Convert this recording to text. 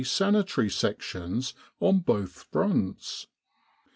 Sanitary Sections on both Fronts.